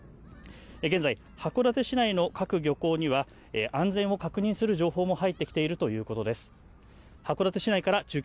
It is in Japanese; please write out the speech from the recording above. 現在、函館市内の各漁港には安全を確認する情報も入ってきているということです。